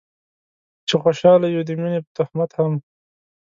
چې خوشحاله يو د مينې په تهمت هم